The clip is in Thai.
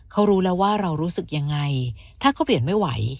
เขารู้แล้วว่าเรารู้สึกยังไงถ้าเขาเปลี่ยนไม่ไหว